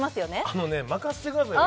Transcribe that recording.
あのね任せてくださいよ